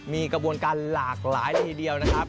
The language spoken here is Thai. มีกระบวนการหลากหลายทีเดียวนะครับ